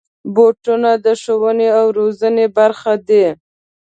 بوټونه د ښوونې او روزنې برخه دي.